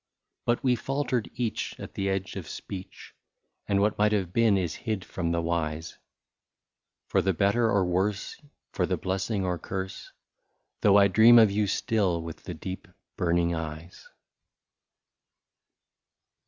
But we faltered each at the edge of speech, And what might have been is hid from the wise — For the better or worse, for the blessing or curse — Though I dream of you still with the deep burn ing eyes.